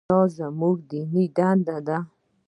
دا زموږ دیني دنده ده.